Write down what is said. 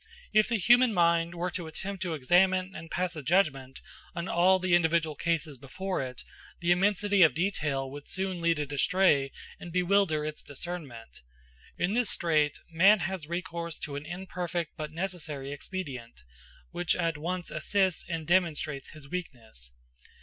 If the human mind were to attempt to examine and pass a judgment on all the individual cases before it, the immensity of detail would soon lead it astray and bewilder its discernment: in this strait, man has recourse to an imperfect but necessary expedient, which at once assists and demonstrates his weakness.